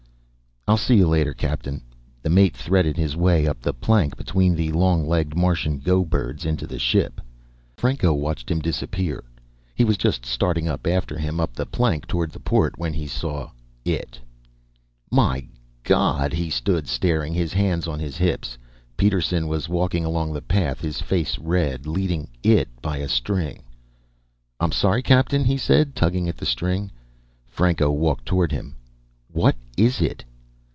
"I'll see you later, Captain." The mate threaded his way up the plank, between the long legged Martian go birds, into the ship. Franco watched him disappear. He was just starting up after him, up the plank toward the port, when he saw it. "My God!" He stood staring, his hands on his hips. Peterson was walking along the path, his face red, leading it by a string. "I'm sorry, Captain," he said, tugging at the string. Franco walked toward him. "What is it?"